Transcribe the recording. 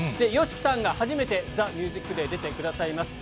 ＹＯＳＨＩＫＩさんが初めてＴＨＥＭＵＳＩＣＤＡＹ出てくださいまして。